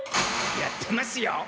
やってますよ！